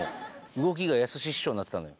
動きがやすし師匠になってたのよ。